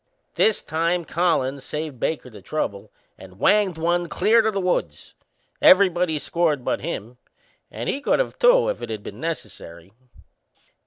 This time Collins saved Baker the trouble and whanged one clear to the woods. Everybody scored but him and he could of, too, if it'd been necessary.